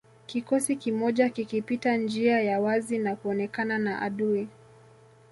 Kikosi kimoja kikipita njia ya wazi na kuonekana na adui